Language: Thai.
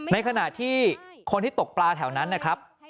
ในขณะที่คนที่ตกปลาแถวนั้นนะครับ